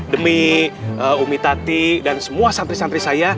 demi umi tati dan semua santri santri saya